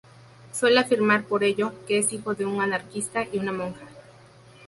Suele afirmar, por ello, que es "hijo de un anarquista y una monja".